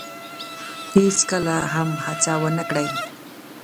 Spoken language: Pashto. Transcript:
هیڅکله هم هڅه ونه کړی